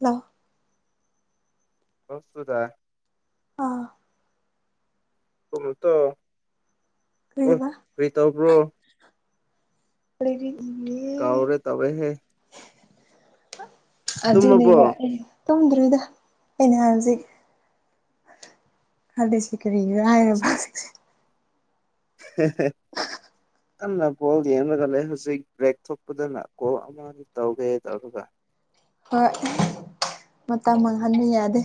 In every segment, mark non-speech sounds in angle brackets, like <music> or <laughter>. ꯂꯥꯎ <unintelligible> ꯑꯥ <unintelligible> ꯀꯩꯕꯥ ꯀꯔꯤ ꯇꯧꯕ꯭ꯔꯣ ꯂꯩꯔꯤ ꯀꯥꯎꯔꯦ ꯇꯧꯔꯦꯍꯦ ꯇꯨꯝꯃꯕꯣ ꯑꯗꯨꯅꯦꯕ ꯑꯦ ꯇꯨꯝꯗ꯭ꯔꯤꯗ ꯑꯩꯅꯍꯥꯏꯖꯤꯛ ꯑꯗ ꯁꯤꯀꯔꯤ ꯍꯥꯏ ꯀꯟꯅ ꯕꯣꯜ ꯌꯦꯡꯂꯒ ꯂꯩ ꯍꯧꯖꯤꯛ ꯕ꯭ꯔꯦꯛ ꯊꯣꯛꯄꯗꯅ ꯀꯣꯜ ꯑꯃ ꯇꯧꯒꯦ ꯇꯧ ꯍꯣꯏ ꯃꯇꯝ ꯃꯥꯡꯍꯟꯕ ꯌꯥꯗꯦ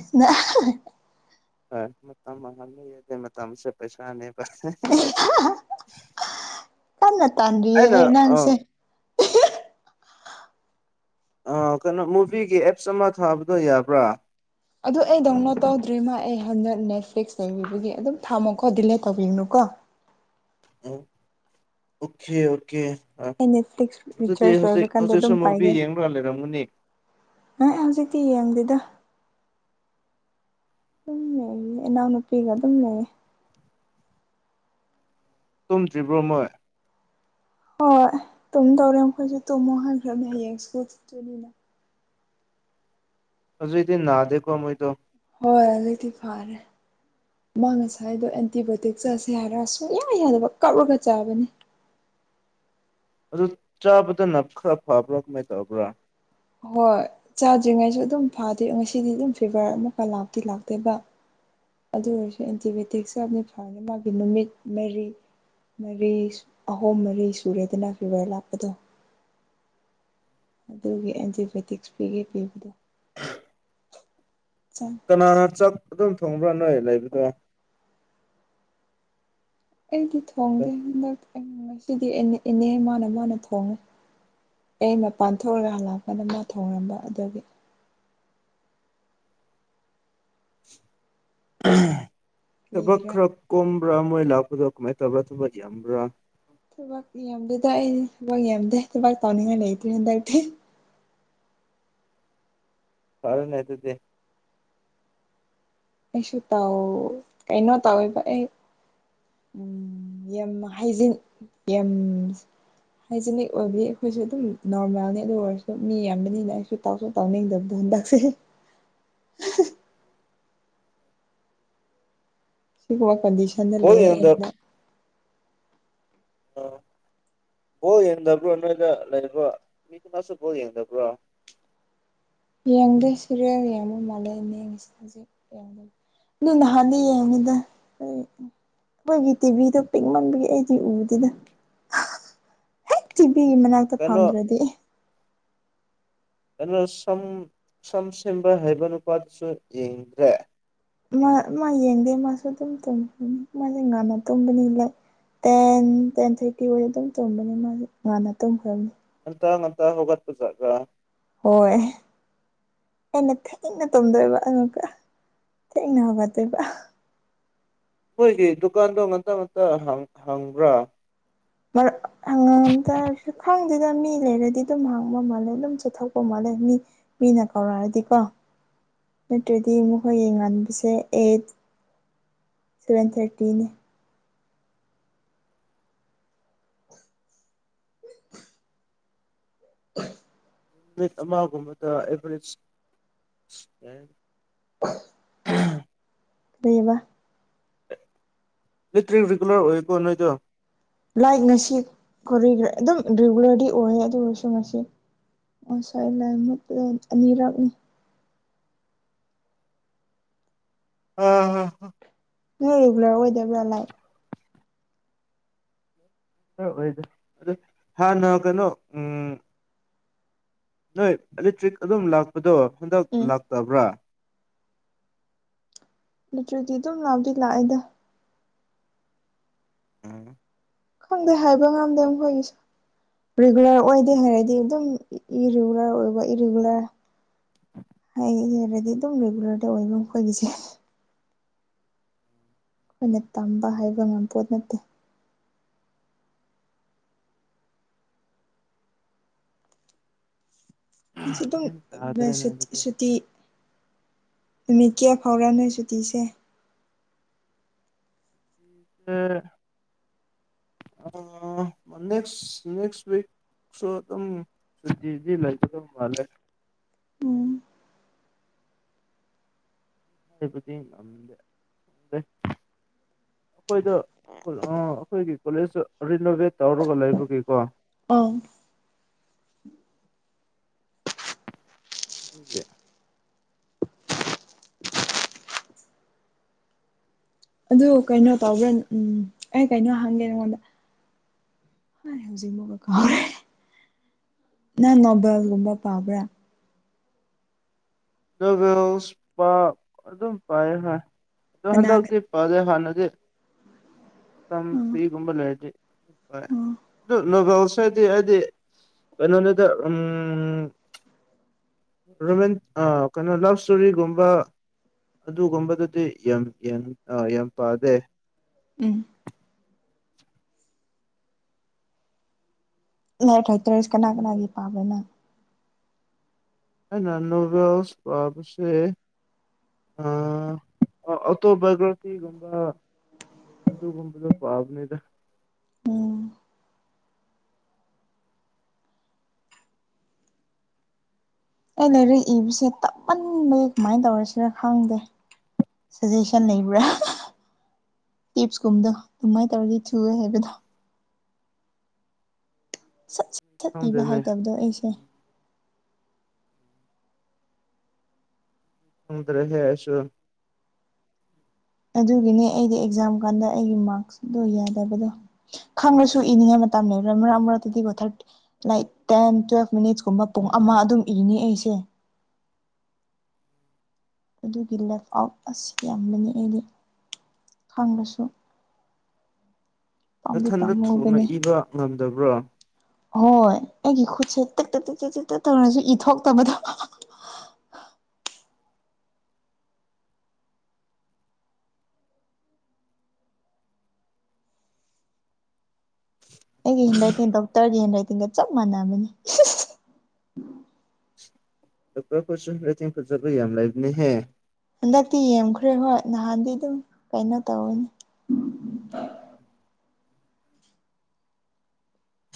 ꯍꯣꯏ ꯃꯇꯝꯦ ꯃꯇꯝ ꯃꯇꯝꯁꯦ ꯄꯩꯁꯥꯅꯦ ꯇꯥꯟ ꯑꯩꯅ ꯇꯥꯟꯔꯤꯌꯦ ꯑ ꯅꯟꯁꯦ ꯀꯩꯅꯣ ꯃꯨꯚꯤꯒꯤ ꯑꯦꯞꯁ ꯑꯃ ꯊꯥꯕꯗꯣ ꯌꯥꯕ꯭ꯔꯥ ꯑꯗꯨ ꯑꯩ ꯗꯗꯥꯎꯟꯂꯣꯠ ꯇꯧꯗ꯭ꯔꯤꯃꯥ ꯑꯩ ꯍꯟꯗꯛ ꯅꯦꯠꯐ꯭ꯂꯤꯛꯁ ꯂꯩꯕꯤꯕꯒꯤ ꯑꯗꯨꯝ ꯊꯝꯃꯣꯀꯣ ꯗꯤꯂꯦ ꯇꯧꯕꯤꯒꯅꯨꯀꯣ ꯑꯣ ꯑꯣꯀꯦ ꯑꯣꯀꯦ ꯑ ꯑꯩ ꯅꯦꯠꯐ꯭ꯂꯤꯛꯁ ꯑꯗꯨꯗꯤ ꯔꯤꯆꯥꯔꯖ ꯂꯣꯏꯕ ꯍꯧꯖꯤꯛ ꯀꯥꯟꯗ ꯍꯧꯖꯤꯛ ꯁ ꯑꯗꯨꯝ ꯃꯨꯕꯤ ꯌꯦꯡꯂꯡꯨꯔꯒ ꯂꯩꯔꯝꯒꯅꯤ ꯅ ꯍꯧꯖꯤꯛꯇꯤ ꯌꯦꯡꯗꯦꯗ ꯑꯗꯨꯝ ꯂꯩꯌꯦ ꯏꯅꯥꯎꯅꯨꯄꯤꯒ ꯑꯗꯨꯝ ꯂꯩꯌꯦ ꯇꯨꯝꯗ꯭ꯔꯤꯕ꯭ꯔꯣ ꯃꯣꯏ ꯍꯣꯏ ꯍꯣꯏ ꯇꯨꯝ ꯇꯧꯔꯦ ꯃꯈꯣꯏꯁꯨ ꯇꯨꯝꯃꯣ ꯍꯥꯏꯈ꯭ꯔꯕꯅ ꯍꯌꯦꯡꯁꯨ ꯆꯠꯇꯣꯏꯅꯤꯅ ꯍꯧꯁꯨ ꯏꯗꯤ ꯅꯥꯗꯦꯀꯣ ꯑꯃꯣꯏꯣ ꯍꯔ ꯑꯗꯤ ꯐꯥꯔꯦ ꯃꯥ ꯉꯁꯥꯏꯗꯣ ꯑꯦꯟꯇꯤꯕꯥꯌꯣꯇꯤꯛ ꯆꯥꯁꯦ ꯍꯥꯏꯔꯒ ꯁꯨꯡꯌꯥ ꯌꯥꯗꯕ ꯀꯞꯔꯒ ꯆꯥꯕꯅꯤ ꯑꯗꯨ ꯆꯥꯕꯗꯅ ꯈꯔ ꯐꯕ꯭ꯔꯥ ꯀꯃꯥꯏꯅ ꯇꯧꯔꯕ꯭ꯔꯣ ꯍꯣꯏ ꯆꯥꯗ꯭ꯔꯤꯉꯩꯁꯨ ꯑꯗꯨꯝ ꯐꯥꯗ꯭ꯔꯤ ꯉꯁꯤꯗꯤ ꯑꯗꯨꯝ ꯐꯤꯚꯔ ꯑꯃꯨꯛꯀ ꯂꯥꯛꯇꯤ ꯂꯥꯛꯇꯦꯕ ꯑꯗꯨ ꯑꯣꯏꯔꯁꯨ ꯑꯦꯟꯇꯤꯕꯥꯌꯣꯇꯤꯛꯁꯨ ꯌꯥꯝꯅ ꯐꯪꯅꯤ ꯃꯥꯒꯤ ꯅꯨꯃꯤꯠ ꯃꯔꯤ ꯃꯔꯤ ꯑꯍꯨꯝ ꯃꯔꯤ ꯁꯨꯔꯦꯗꯅ ꯐꯤꯚꯔ ꯂꯥꯛꯄꯗꯣ ꯑꯗꯨꯒꯤ ꯑꯦꯟꯇꯤꯕꯥꯌꯣꯇꯤꯛꯁ ꯄꯤꯒꯦ ꯄꯤꯕꯗꯣ ꯆꯪ ꯀꯅꯥꯅ ꯆꯥꯛ ꯑꯗꯨꯝ ꯊꯣꯡꯕ꯭ꯔꯥ ꯅꯣꯏ ꯂꯩꯕꯗꯣ ꯑꯩꯗꯤ ꯊꯣꯡꯗꯦ ꯍꯟꯗꯛ ꯑ ꯉꯁꯤꯗꯤ ꯏꯅꯦ ꯃꯥꯅ ꯃꯥꯅ ꯊꯣꯡꯉꯦ ꯑꯩꯅꯄꯥꯟ ꯊꯣꯛꯑꯒꯂꯥꯛꯄꯗ ꯃꯥ ꯊꯧꯔꯝꯕ ꯑꯗꯨꯒꯤ ꯊꯕꯛ ꯀꯔꯤꯒꯤꯔꯥ ꯈꯔ ꯀꯣꯕ꯭ꯔꯥ ꯃꯣꯏ ꯂꯥꯛꯄꯗꯣ ꯀꯃꯥꯏꯅ ꯇꯧꯕ꯭ꯔꯥ ꯊꯕꯛ ꯌꯥꯝꯕ꯭ꯔꯥ ꯊꯕꯛ ꯌꯦꯗꯦꯗ ꯑꯩ ꯊꯕꯛ ꯌꯥꯝꯗꯦ ꯊꯕꯛ ꯇꯧꯅꯤꯡꯉꯥꯏ ꯂꯩꯇ꯭ꯔꯔꯤ ꯍꯟꯗꯛꯇꯤ ꯐꯔꯅ ꯍꯥꯏ ꯑꯗꯨꯗꯤꯦ ꯑꯩꯁꯨ ꯇꯧ ꯀꯩꯅꯣ ꯇꯧꯋꯦꯕ ꯑꯦ ꯎꯝ ꯌꯥꯝ ꯍꯥꯏꯖꯤꯟ ꯌꯥꯝ ꯍꯥꯏꯖꯤꯅꯤꯛ ꯑꯣꯏꯕꯗꯤ ꯑꯩꯈꯣꯏꯁꯨ ꯑꯗꯨꯝ ꯅꯣꯔꯃꯦꯜꯅꯤ ꯑꯗꯨ ꯑꯣꯏꯔꯁꯨ ꯃꯤ ꯌꯥꯝꯕꯅꯤꯅ ꯑꯩꯁꯨ ꯇꯥꯎꯁꯨꯣꯛ ꯇꯥꯎꯅꯤꯡꯗꯕꯗꯣ ꯍꯟꯗꯛꯁꯦ ꯁꯤꯒꯕ ꯀꯟꯗꯤꯁꯟ ꯑ ꯕꯣꯜ ꯂꯩꯦ ꯌꯦꯡꯗ ꯑ ꯕꯣ ꯌꯦꯡꯗꯕ꯭ꯔꯣ ꯅꯣꯏꯗ ꯂꯩꯕ꯭ꯔꯣ ꯃꯤꯗꯨꯅꯁꯨ ꯕꯣ ꯌꯦꯡꯗꯕ꯭ꯔꯣ ꯌꯦꯡꯗꯣꯏ ꯁꯤꯔꯦ ꯌꯦꯡꯉꯨ ꯃꯥꯜꯂꯦ ꯌꯦꯡꯉꯁꯤ ꯍꯧꯖꯤꯛ ꯑꯗꯨꯣꯏ ꯅꯍꯥꯟꯗꯤ ꯌꯦꯡꯉꯤꯗ ꯑꯩꯈꯣꯏꯒꯤ ꯇꯤꯚꯤꯗꯣ ꯄꯤꯛꯃꯕꯒꯤ ꯑꯩꯗꯤ ꯎꯗꯦꯗ ꯍꯦꯛ ꯇꯤꯚꯤꯒꯤ ꯃꯅꯥꯛꯇ ꯀꯩꯅꯣ ꯐꯪꯗ꯭ꯔꯗꯤ ꯀꯩꯅꯣ ꯁꯝ ꯁꯝ ꯁꯦꯝꯕ ꯍꯥꯏꯕ ꯅꯨꯄꯥꯗꯨꯁꯨ ꯌꯦꯡꯗ꯭ꯔꯦ ꯃꯥ ꯌꯦꯡꯗꯦ ꯃꯥꯁꯨ ꯑꯗꯨꯝ ꯇꯨꯝꯅꯤ ꯃꯥꯁꯦ ꯉꯥꯟꯟꯅ ꯇꯨꯝꯕꯅꯤ ꯂ ꯇꯦꯟ ꯇꯦꯟ ꯊꯥꯔꯇꯤ ꯑꯣꯏꯅ ꯑꯗꯨꯝ ꯇꯨꯝꯕꯅꯤ ꯃꯥ ꯉꯅ ꯇꯨꯝꯈ꯭ꯔꯕꯅꯤ ꯑꯇ ꯃ ꯍꯣꯠ ꯄꯨꯖꯒ ꯍꯣꯏ ꯑꯩꯅ ꯊꯦꯡꯅ ꯇꯣꯝꯗꯣꯏꯕ ꯑꯗꯨꯒ ꯊꯦꯡꯅ ꯍꯧꯒꯠꯇꯣꯏꯕ ꯑꯩꯈꯣꯏꯒꯤ ꯗꯨꯀꯥꯟꯗꯣ ꯉꯝꯇ ꯉꯟꯇ ꯍꯪꯕ꯭ꯔꯥ ꯃꯔ ꯇ ꯈꯪ ꯑꯗꯨꯗ ꯃꯤ ꯂꯩꯔꯗꯤ ꯑꯗꯨꯝ ꯍꯥꯡꯕ ꯃꯥꯜꯂꯦ ꯑꯗꯨꯝ ꯆꯠꯊꯣꯛꯄ ꯃꯥꯜꯂꯦ ꯃꯤ ꯃꯤꯅ ꯀꯧꯔꯛꯑꯗꯤꯀꯣ ꯅꯠꯇ꯭ꯔꯗꯤ ꯑꯃꯨꯛ ꯍꯌꯦꯡ ꯉꯟꯕꯁꯦ ꯑꯩꯠ ꯁꯚꯦꯟ ꯊꯥꯔꯇꯤꯅꯦ ꯅꯨꯃꯤꯠ ꯑꯃꯒꯨꯝꯕꯗ ꯑꯦꯚꯔꯦꯖ ꯑꯦ <unintelligible> ꯀꯩꯑꯕ ꯏꯂꯦꯛꯇ꯭ꯔꯤꯛ ꯔꯤꯒꯨꯂꯔ ꯑꯣꯏꯀꯣ ꯅꯣꯏꯗꯨ ꯂꯥꯏꯛ ꯉꯁꯤ ꯑꯗꯨꯝ ꯔꯤꯒꯨꯂꯔꯗꯤ ꯑꯣꯏꯌꯦ ꯑꯗꯨ ꯑꯣꯏꯁꯨ ꯉꯁꯤ <unintelligible> ꯑꯅꯤꯔꯛꯅꯤ ꯑꯥꯍꯥ ꯅꯣꯏ ꯔꯤꯒꯨꯂꯔ ꯑꯣꯏꯗꯕ꯭ꯔꯥ ꯂꯥꯏꯠ ꯍꯣꯢ ꯑꯣꯏꯗ ꯑꯗꯨ ꯍꯥꯅ ꯀꯩꯅꯣ ꯎꯝ ꯅꯣꯏ ꯑꯦꯂꯦꯛꯇ꯭ꯔꯤꯛ ꯑꯗꯨꯝ ꯂꯥꯛꯄꯗꯣ ꯍꯟꯗꯛ ꯎꯝ ꯂꯥꯛꯇꯕ꯭ꯔꯥ ꯏꯂꯦꯛꯇ꯭ꯔꯤꯗꯤ ꯑꯗꯨꯝ ꯂꯥꯛꯗꯤ ꯂꯥꯛꯑꯦꯗ ꯎꯝ ꯈꯪꯗꯦ ꯍꯥꯏꯕ ꯉꯝꯗꯦ ꯃꯈꯣꯏꯒꯤꯁꯤ ꯔꯤꯒꯨꯂꯔ ꯑꯣꯏꯗꯦ ꯍꯥꯏꯔꯗꯤ ꯑꯗꯨꯝ ꯏꯔꯤꯒꯨꯂꯔ ꯑꯣꯏꯕ ꯏꯔꯤꯒꯨꯂꯔ ꯍꯥꯏꯔꯗꯤ ꯑꯗꯨꯝ ꯔꯤꯒꯨꯂꯔꯗꯤ ꯑꯣꯏꯕ ꯃꯈꯣꯏꯒꯤꯁꯦ ꯑꯩꯈꯣꯏꯅ ꯇꯝꯕ ꯍꯥꯏꯕ ꯉꯝꯕꯄꯣꯠ ꯅꯠꯇꯦ ꯒ꯭ꯌꯥꯟ ꯇꯥꯗ꯭ꯔꯦꯅꯦ ꯑꯗꯨꯗꯤ <unintelligible> ꯁꯨꯇꯤ ꯅꯨꯃꯤꯠ ꯀꯌꯥ ꯐꯥꯎꯔ ꯅꯣꯏ ꯁꯨꯇꯤꯁꯦ ꯑꯥ ꯑꯥ ꯅꯦꯛꯁ ꯅꯦꯛꯁꯋꯤꯛ ꯑꯗꯨꯝ ꯁꯨꯇꯤꯗꯤ ꯂꯩꯒꯗꯧ ꯃꯥꯂꯦ <unintelligible> ꯑꯩꯈꯣꯏꯗꯨ ꯑꯩꯈꯣꯏꯒꯤ ꯀꯣꯂꯦꯖꯇ ꯔꯤꯅꯣꯚꯦꯠ ꯇꯧꯔꯒ ꯂꯩꯕꯒꯤꯀꯣ ꯑꯣ <unintelligible> ꯑꯗꯨ ꯀꯩꯅꯣ ꯇꯧꯕ꯭ꯔꯥ ꯎꯝ ꯑꯩ ꯀꯩꯅꯣ ꯍꯪꯒꯦ ꯅꯪꯉꯣꯟꯗ <unintelligible> ꯀꯥꯎꯔꯦ ꯅꯪ ꯅꯣꯕꯦꯜꯒꯨꯝꯕ ꯄꯥꯕ꯭ꯔꯥ ꯅꯣꯚꯦꯜꯁ ꯄꯥ ꯑꯗꯨꯝ ꯄꯥꯏ ꯍꯣꯢ ꯑꯗꯣ ꯀꯅꯥ ꯍꯟꯗꯛꯇꯤ ꯄꯗꯦ ꯍꯥꯟꯅꯗꯤ ꯃꯇꯝ ꯎꯝ ꯐ꯭ꯔꯤꯒꯨꯝꯕ ꯂꯩꯔꯗꯤ ꯑꯗꯨ ꯅꯣꯕꯦꯜꯁ ꯍꯥꯏꯗꯤ ꯍꯥꯏꯗꯤ ꯀꯩꯅꯣꯅꯤꯗ ꯎꯝ ꯔꯣꯃꯦꯟ ꯑꯥ ꯀꯩꯅꯣ ꯂꯞ ꯏꯁꯇꯣꯔꯤꯒꯨꯝꯕ ꯑꯗꯨꯒꯨꯝꯕꯗꯗꯤ ꯌꯥꯝ ꯌꯥꯝ ꯄꯥꯗꯦ ꯎꯝ ꯅꯪ ꯔꯥꯏꯇꯔ꯭ꯁ ꯀꯅꯥ ꯀꯅꯥꯒꯤ ꯄꯥꯕꯅꯪ ꯑꯩꯅ ꯅꯣꯚꯦꯜꯁ ꯄꯥꯕꯁꯦ ꯑ ꯑꯣꯇꯣꯕꯒ꯭ꯔꯇꯤꯒꯨꯝꯕ ꯑꯗꯨꯒꯨꯝꯕꯗꯣ ꯄꯥꯕꯅꯤꯗ ꯎꯝ ꯑꯩ ꯂꯥꯏꯔꯤꯛ ꯏꯕꯁꯦ ꯇꯞꯃꯟꯕꯒꯤ ꯀꯃꯥꯏꯅ ꯇꯧꯔꯁꯤꯔ ꯈꯪꯗꯦ ꯁꯖꯦꯁꯟ ꯂꯩꯕ꯭ꯔꯥ ꯇꯤꯞꯁꯀꯨꯝꯕꯗꯣ ꯑꯗꯨꯃꯥꯏꯅ ꯇꯧꯔꯗꯤ ꯊꯨꯑꯦ ꯍꯥꯏꯕꯗꯣ ꯁꯠ ꯁꯠ ꯁꯠ ꯏꯕ ꯈꯪꯗꯦꯅꯦ ꯍꯥꯏꯇꯕꯗꯣ ꯑꯩꯁꯦ ꯈꯪꯗ꯭ꯔꯦ <unintelligible> ꯑꯗꯨꯒꯤꯅꯦ ꯑꯩꯗꯤ ꯑꯦꯛꯖꯥꯝ ꯀꯥꯟꯗ ꯑꯩꯒꯤ ꯃꯥꯔꯛꯁꯤꯠꯗꯣ ꯌꯦꯡꯗꯕꯗꯣ ꯈꯪꯉꯁꯨ ꯏꯅꯤꯡꯉꯥꯏ ꯃꯇꯝ ꯂꯩꯔꯣꯢ ꯃꯔꯛ ꯃꯔꯛꯇꯗꯤꯀꯣ thirty like ten twelve minutes ꯀꯨꯝꯕ ꯄꯨꯡ ꯑꯃ ꯑꯗꯨꯝ ꯏꯅꯤ ꯑꯩꯁꯦ ꯑꯗꯨꯒꯤ ꯂꯦꯞ ꯑꯥꯎꯞ ꯑꯁꯤ ꯌꯥꯝꯕꯅꯤ ꯑꯩꯗꯤ ꯈꯡꯕꯁꯨ ꯅꯊꯟꯗ ꯊꯨꯅ ꯄꯥꯝꯃꯨꯕꯅꯦ ꯏꯕ ꯉꯝꯗꯕ꯭ꯔꯣ ꯍꯣꯏ ꯑꯩꯒꯤ ꯈꯨꯠꯁꯦ ꯇꯤ ꯇꯛ ꯇꯛ ꯇꯤꯛꯇꯛ ꯇꯧꯔꯁꯨ ꯏꯊꯣꯛꯇꯕꯗꯣ ꯑꯩꯒꯤ ꯍꯦꯟꯔꯥꯏꯇꯤꯡ ꯗꯣꯛꯇꯔꯒꯤ ꯍꯦꯟ ꯔꯥꯏꯇꯤꯡꯒ ꯆꯞ ꯃꯥꯟꯅꯕꯅꯤ ꯗꯣꯛꯔ ꯈꯣꯏꯁꯨ ꯍꯦꯟꯔꯥꯏꯇꯤꯡ ꯐꯖꯕ ꯌꯥꯝ ꯂꯩꯕꯥꯅꯤ ꯍꯦ ꯍꯟꯗꯛꯇꯤ ꯌꯦꯡꯈ꯭ꯔꯦ ꯍꯣꯏ ꯅꯍꯥꯟꯗꯤ ꯑꯗꯨꯝ ꯀꯩꯅꯣ ꯇꯧꯋꯅꯦ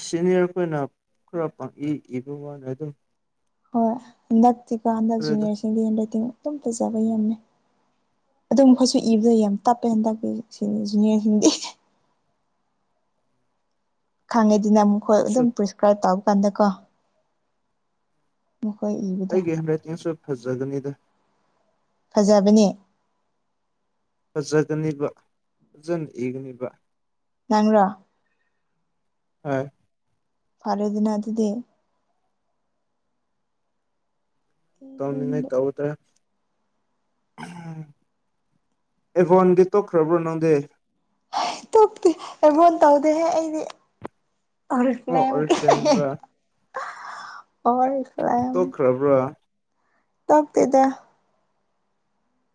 ꯁꯤꯅꯤꯌꯔꯈꯣꯏꯅ ꯈꯔ ꯄꯪꯏ ꯏꯕ ꯋꯥꯅ ꯑꯗꯨꯝ ꯍꯣꯏ ꯍꯟꯗꯛꯇꯤꯀꯣ ꯍꯟꯗꯛ ꯈꯪꯗ꯭ꯔꯦꯗ ꯖꯨꯅꯤꯌꯔꯁꯤꯡꯗꯤ ꯍꯦꯟ ꯔꯥꯏꯇꯤꯡ ꯑꯗꯨꯝ ꯐꯖꯕ ꯌꯥꯝꯃꯦ ꯑꯗꯨꯝ ꯃꯈꯣꯏꯁꯨ ꯏꯕꯗ ꯌꯥꯝ ꯇꯞꯄꯦ ꯍꯟꯗꯛꯇꯤ ꯁꯤꯅꯤ ꯖꯨꯅꯤꯌꯔꯁꯤꯡꯗꯤ ꯈꯪꯉꯦꯗꯅ ꯃꯈꯣꯏ ꯑꯩꯁꯨ ꯑꯗꯨꯝ ꯄ꯭ꯔꯤꯁꯀ꯭ꯔꯥꯏꯕ ꯇꯧꯕꯀꯥꯟꯗꯀꯣ ꯃꯈꯣꯏ ꯏꯕ ꯑꯩꯒꯤ ꯍꯦꯟꯔꯥꯏꯇꯤꯡꯁꯨ ꯐꯖꯒꯅꯤꯗ ꯐꯖꯕꯅꯦ ꯐꯖꯒꯅꯤꯕ ꯐꯖꯅ ꯏꯕꯅꯤꯕ ꯅꯪꯔꯣ ꯍꯣꯏ ꯐꯔꯦꯗꯅ ꯑꯗꯨꯗꯤ ꯇꯧꯅꯤꯡꯉꯤ ꯇꯧꯗꯔꯦ ꯑꯦꯚꯣꯟꯒꯤ ꯇꯣꯛꯈ꯭ꯔꯕ꯭ꯔꯣ ꯅꯪꯗꯤ ꯇꯣꯛꯇꯦ ꯑꯚꯣꯟ ꯇꯧꯗꯦꯍꯦ ꯑꯩꯗꯤ ꯑꯣ ꯑꯣꯔꯤꯐ꯭ꯂꯦꯝꯔꯥ ꯑꯣꯔꯤꯐꯂꯦꯝ ꯇꯣꯛꯈ꯭ꯔꯕ꯭ꯔꯥ ꯇꯣꯛꯇꯦꯗ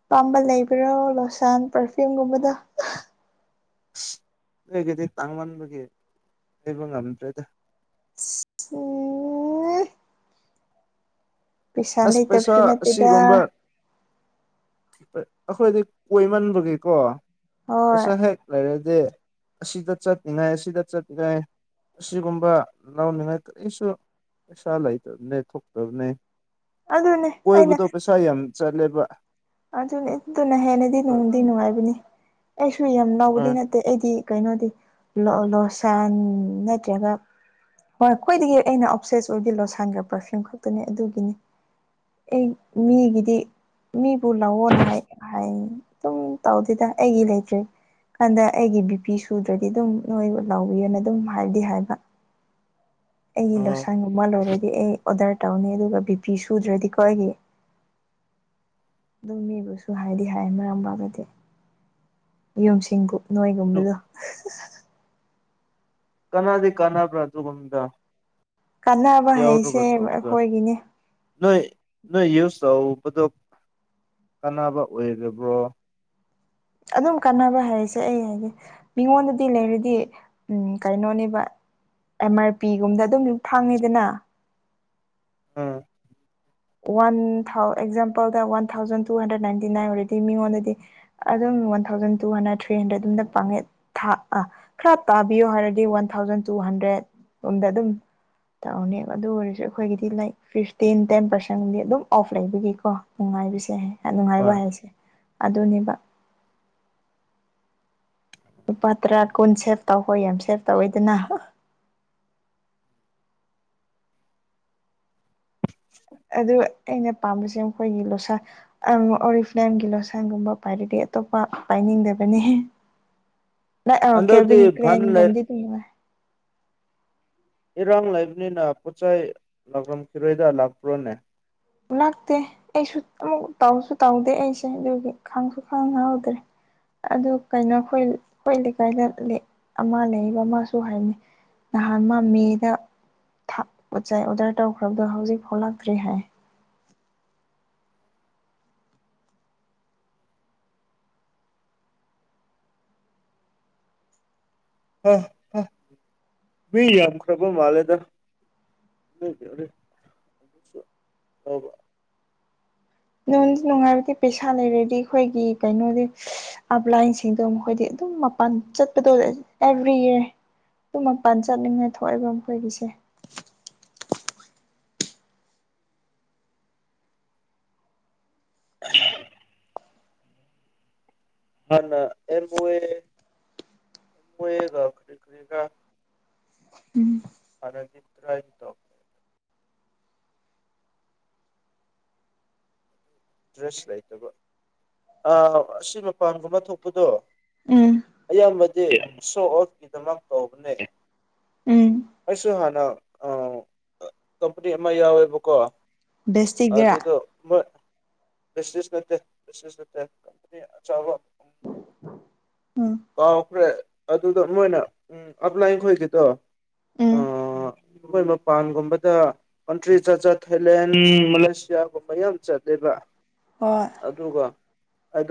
ꯑꯄꯥꯝꯕ ꯂꯩꯕ꯭ꯔꯣ ꯂꯣꯁꯥꯟ ꯄꯔꯐ꯭ꯌꯨꯝꯒꯨꯝꯕꯗꯣ ꯑꯁ ꯑꯩꯒꯤꯗꯤ ꯇꯥꯡꯃꯟꯕꯒꯤ ꯂꯩꯕ ꯉꯝꯗ꯭ꯔꯦꯗ ꯎꯝ ꯄꯩꯁꯥ ꯑꯁ ꯄꯩꯁꯥ ꯂꯩꯇꯕꯁꯨ ꯑꯁꯤꯒꯨꯝꯕ ꯅꯠꯇꯦꯗ ꯑꯩꯈꯣꯏꯗꯤ ꯀꯣꯏꯃꯟꯕꯒꯤꯀꯣ ꯍꯣꯏ ꯄꯩꯁꯥ ꯍꯦꯛ ꯂꯩꯔꯗꯤ ꯑꯁꯤꯗ ꯆꯠꯅꯤꯡꯉꯥꯏ ꯑꯁꯤꯗ ꯆꯠꯂꯤꯉꯥꯏ ꯑꯁꯤꯒꯨꯝꯕ ꯂꯥꯎꯅꯤꯡꯉꯥꯏ ꯀꯔꯤꯁꯨ ꯄꯩꯁꯥ ꯂꯩꯇꯕꯅꯦ ꯊꯣꯛꯇꯕꯅꯦ ꯑꯗꯨꯅꯦ ꯀꯣꯏꯕꯗꯣ ꯄꯩꯁꯥ ꯌꯥꯝ ꯆꯠꯂꯦꯕ ꯑꯗꯨꯅꯤ ꯑꯗꯨꯅ ꯍꯦꯟꯅꯗꯤ ꯑꯗꯣ ꯅꯨꯡꯗꯤ ꯑꯗꯨꯝ ꯅꯨꯡꯉꯥꯏꯕꯅꯤ ꯑꯩꯁꯨ ꯌꯥꯝ ꯑ ꯂꯥꯎꯕꯗꯤ ꯅꯠ ꯇꯦ ꯑꯩꯗꯤ ꯀꯩꯅꯣꯗꯤ ꯂꯣꯁꯥꯟ ꯅꯠꯇ꯭ꯔꯒ ꯍꯣꯏ ꯈꯋ꯭ꯥꯏꯗꯒꯤ ꯑꯩꯅ ꯑꯣꯞꯁꯦꯁ ꯑꯣꯏꯕꯗꯤ ꯂꯣꯁꯥꯟꯒ ꯄꯥꯔꯐ꯭ꯌꯨꯝ ꯈꯛꯇꯅꯦ ꯑꯗꯨꯒꯤꯅꯤ ꯑꯩ ꯃꯤꯒꯤꯗꯤ ꯃꯤ ꯄꯨꯂꯥꯛꯑꯣꯅ ꯍꯥꯏ ꯍꯥꯏꯌꯦ ꯑꯗꯨꯝ ꯇꯧꯗꯦꯗ ꯑꯩꯒꯤ ꯂꯩꯇ꯭ꯔꯗꯤ ꯀꯥꯟꯗ ꯑꯩꯒꯤ ꯕꯤꯄꯤ ꯁꯨꯗ꯭ꯔꯗꯤ ꯑꯗꯨꯝ ꯅꯣꯏ ꯂꯥꯎꯕꯤꯌꯦꯅ ꯑꯗꯨꯝ ꯍꯥꯏꯗꯤ ꯍꯥꯏꯕ <inaudible> ꯑꯩꯒꯤ ꯑꯗꯨ ꯂꯣꯁꯟꯒꯨꯝꯕ ꯂꯣꯏꯔꯗꯤ ꯑꯩ ꯑꯣꯗꯔ ꯇꯧꯅꯤ ꯑꯗꯨꯒ ꯕꯤꯄꯤ ꯁꯨꯗ꯭ꯔꯗꯤꯀꯣ ꯑꯩꯒꯤ ꯑꯗꯨꯝ ꯃꯤꯕꯨꯁꯨ ꯍꯥꯏꯗꯤ ꯍꯥꯏꯅꯔꯝꯃꯒꯗꯤ ꯌꯨꯝꯁꯤꯡꯀꯨ ꯅꯣꯏꯒꯨꯝꯕꯗꯣ ꯀꯅꯥꯗꯤ ꯀꯥꯟꯅꯕ꯭ꯔꯥ ꯑꯗꯨꯒꯨꯝꯗꯣ ꯀꯥꯟꯅꯕ ꯍꯩꯁꯦ ꯇꯧꯕꯗꯣ ꯑꯩꯈꯣꯏꯒꯤꯅꯦ ꯅꯣꯏ ꯅꯣꯏ ꯌꯨꯁ ꯇꯧꯕꯗꯣ ꯀꯅꯕ ꯑꯣꯏꯗꯕ꯭ꯔꯣ ꯑꯗꯨꯝ ꯀꯥꯟꯅꯕ ꯍꯥꯏꯔꯤꯁꯦ ꯑꯩ ꯍꯥꯏꯒꯦ ꯃꯤꯉꯣꯟꯗꯗꯤ ꯂꯩꯔꯗꯤ ꯎꯝ ꯀꯩꯅꯣꯅꯦꯕ ꯑꯦꯝ ꯑꯥꯔ ꯄꯤ ꯒꯨꯝꯕꯗ ꯑꯗꯨꯝ ꯐꯥꯡꯉꯤꯗꯅ ꯑꯝ ꯋꯥꯟ ꯊꯥꯎ ꯑꯦꯛꯖꯥꯝꯄꯜꯗ one thousand two hundred ninety nine ꯑꯣꯏꯔꯗꯤ ꯃꯤꯉꯣꯟꯗꯗꯤ ꯑꯗꯨꯝ one thousand two hundred three hundred ꯑꯗꯨꯝꯗ ꯄꯥꯡꯉꯦ ꯊꯥ ꯈꯔ ꯇꯥꯕꯤꯌꯣ ꯍꯥꯏꯔꯗꯤ ꯋꯥꯟ ꯊꯥꯎꯖꯟ ꯇꯨ ꯍꯟꯗ꯭ꯔꯦꯗ ꯔꯣꯝꯗ ꯑꯗꯨꯝ ꯇꯧꯅꯦꯕ ꯑꯗꯨ ꯑꯣꯏꯔꯁꯨ ꯑꯩꯈꯣꯏꯒꯤꯗꯤ ꯂꯥꯏꯛ ꯐꯤꯐꯇꯤꯟ ꯇꯦꯟ ꯄꯔꯁꯦꯟ <inaudible> ꯁꯪꯗꯤ ꯑꯗꯨꯝ ꯑꯣꯐ ꯂꯩꯕꯒꯤꯀꯣ ꯅꯨꯡꯉꯥꯏꯕꯁꯦ ꯅꯨꯡꯉꯥꯏꯕ ꯍꯣꯏ ꯍꯥꯏꯁꯦ ꯑꯗꯨꯅꯦꯕ ꯂꯨꯄꯥ ꯇꯔꯥ ꯀꯨꯟ ꯁꯦꯞ ꯇꯧꯕꯥ ꯌꯥꯝ ꯁꯦꯞ ꯇꯧꯋꯦꯗꯅ <inaudible> ꯑꯗꯨ ꯑꯩꯅ ꯄꯥꯝꯕꯁꯦ ꯃꯈꯣꯏꯒꯤ ꯂꯣꯁꯟ ꯑꯣꯔꯤꯐꯂꯦꯟꯒꯤ ꯂꯣꯁꯟꯒꯨꯝꯕ ꯄꯥꯏꯔꯗꯤ ꯑꯇꯣꯞꯄ ꯄꯥꯏꯅꯤꯡꯗꯕꯅꯦ <inaudible> ꯂꯥꯛꯑꯥ ꯍꯟꯗꯛꯇꯤ ꯀꯕꯤꯟ ꯐꯟ ꯂꯩ ꯀꯔꯦꯝꯒꯨꯝꯕꯗꯤ ꯑꯗꯨꯝ ꯅꯨꯡꯉꯥꯏ <inaudible> ꯏꯔꯥꯡ ꯂꯩꯕꯅꯤꯅ ꯄꯣꯠꯆꯥꯏ ꯂꯥꯛꯂꯝꯈꯤꯔꯣꯏꯗ ꯂꯥꯛꯄ꯭ꯔꯣꯅꯦ ꯂꯥꯛꯇꯦ ꯑꯩꯁꯨ ꯑꯃꯨꯛ ꯇꯧꯁꯨ ꯇꯧꯗꯦ ꯑꯩꯁꯦ ꯑꯗꯨꯒꯤ ꯈꯪꯁꯨ ꯈꯪꯍꯧꯗ꯭ꯔꯦ ꯑꯗꯨ ꯀꯩꯅꯣ ꯑꯩꯈꯣꯏ ꯑꯩꯈꯣꯏ ꯂꯩꯀꯥꯏꯗ ꯑꯃ ꯂꯩꯕ ꯑꯃꯁꯨ ꯍꯥꯏꯕꯅꯤ ꯅꯍꯥꯟ ꯃꯥ ꯃꯦꯗ ꯊꯥꯛ ꯄꯣꯠꯆꯥꯏ ꯑꯣꯔꯗꯔ ꯇꯧꯈ꯭ꯔꯕꯗꯣ ꯍꯧꯖꯤꯛ ꯐꯥꯎꯂꯛꯇ꯭ꯔꯤ ꯍꯥꯏ ꯍꯥ ꯍꯥ ꯃꯤ ꯌꯥꯝꯈ꯭ꯔꯕ ꯃꯥꯜꯂꯦꯗ <unintelligible> ꯅꯨꯡꯗꯤ ꯅꯨꯡꯉꯥꯏꯕꯗꯤ ꯄꯩꯁꯥ ꯂꯩꯔꯗꯤ ꯑꯩꯈꯣꯏꯒꯤ ꯀꯩꯅꯣꯗꯤ ꯑꯞ ꯂꯥꯏꯟꯁꯤꯡꯗꯣ ꯃꯈꯣꯏꯗꯤ ꯑꯗꯨꯝ ꯃꯄꯥꯟ ꯆꯠꯄꯗꫭ ꯑꯦꯚ꯭ꯔꯤ ꯏꯌꯥꯔ ꯑꯗꯨ ꯃꯄꯥꯟ ꯆꯠꯅꯤꯡꯉꯦ ꯊꯣꯛꯏꯕ ꯃꯈꯣꯏꯒꯤꯁꯦ <unintelligible> ꯍꯥꯟꯅ ꯑꯦꯝꯕꫭꯏꯑꯦ ꯕꫭꯏꯌꯦꯒ ꯀꯔꯤꯀꯔꯤꯔꯥ ꯎꯝ ꯍꯟꯅꯒꯤ ꯗꯔꯥꯞꯇꫭ ꯗ꯭ꯔꯦꯁ ꯂꯩꯇꯕ ꯑ ꯑꯁꯤ ꯃꯄꯥꯟꯒꯨꯝꯕ ꯊꯣꯛꯄꯗꯣ ꯎꯝ ꯐꯥꯝꯃꯗꯤ ꯁꯣ ꯑꯣꯐꯀꯤꯗꯃꯛ ꯇꯧꯕꯅꯦ ꯎꯝ ꯑꯩꯁꯨ ꯍꯥꯟꯅ ꯑꫭ ꯀꯝꯄꯦꯅꯤ ꯑꯃ ꯌꯥꯎꯋꯦꯕꯀꯣ ꯕꯦꯁꯇꯤꯛꯇꯔꯥ ꯑꯗꯨꯗꫭ ꯃ ꯄꯦꯠꯁꯤ ꯅꯠꯇꯦ ꯄꯦꯠꯁꯤ ꯅꯠꯇꯦ ꯀꯝꯄꯦꯅꯤ ꯑꯆꯥꯎꯕ ꯎꯝ ꯀꯥꯎꯈ꯭ꯔꯦ ꯑꯗꯨꯗ ꯃꯣꯏꯅ ꯎꯝ ꯑꯞꯂꯥꯏꯟ ꯈꯣꯏꯒꯤꯗꯣ ꯑ ꯃꯈꯣꯏ ꯃꯄꯥꯟꯒꯨꯝꯕꯗ ꯀꯟꯇ꯭ꯔꯤ ꯆꯠ ꯆꯠ ꯊꯥꯏꯂꯦꯟ ꯃꯥꯂꯦꯁꯤꯌꯥꯒꯨꯝꯕ ꯌꯥꯝ ꯆꯠꯂꯦꯕ ꯍꫭꯏ ꯑꯗꯨꯒ ꯑꯗ